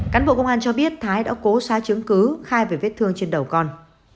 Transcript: cán bộ công an cho biết thái đã cố xóa chứng cứ khai về vết thương trên đầu con